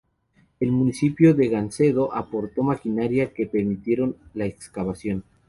El municipio de Gancedo aportó maquinaria que permitieron la excavación.